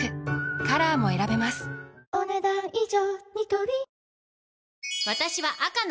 カラーも選べますお、ねだん以上。